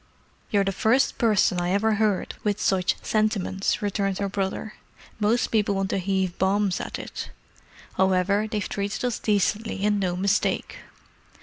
"You're the first person I ever heard with such sentiments," returned her brother. "Most people want to heave bombs at it. However, they've treated us decently, and no mistake.